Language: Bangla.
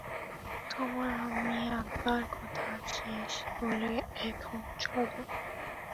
তোমার আম্মি আব্বার কথা শেষ হলে এখন চলো?